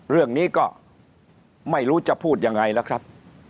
เรื่องนี้ก็ไม่รู้จะพูดยังไงล่ะครับ